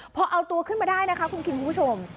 พอเอาตัวขึ้นมาได้นะคะคุณคิงคุณผู้ชม